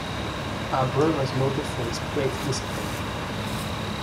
Abreu was noted for his plate discipline.